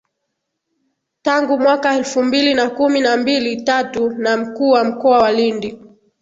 tangu mwaka elfu mbili na kumi mbili tatuna mkuu wa mkoa wa Lindi